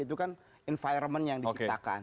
itu kan environment yang diciptakan